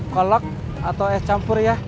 kolok atau es campurt ya